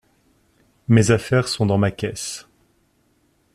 Mes affaires sont dans ma caisse.